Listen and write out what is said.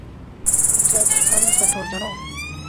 সে একজন সাব-ইন্সপেক্টর, জানো?